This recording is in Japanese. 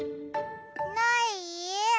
ない？